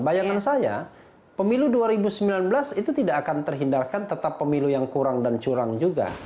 bayangan saya pemilu dua ribu sembilan belas itu tidak akan terhindarkan tetap pemilu yang kurang dan curang juga